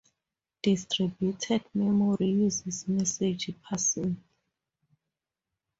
Distributed memory uses message passing.